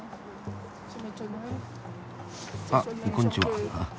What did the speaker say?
あっこんにちは。